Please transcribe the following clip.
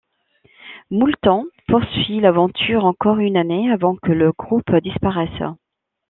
Moulton poursuit l'aventure encore une année avant que le groupe disparaisse.